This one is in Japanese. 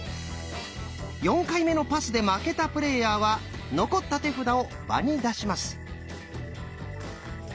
４回目のパスで負けたプレイヤーは残った手札を場に出します。